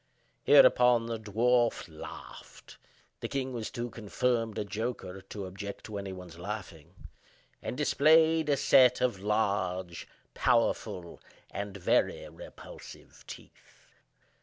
Hereupon the dwarf laughed (the king was too confirmed a joker to object to any one's laughing), and displayed a set of large, powerful, and very repulsive teeth.